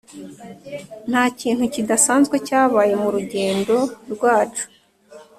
ntakintu kidasanzwe cyabaye murugendo rwacu.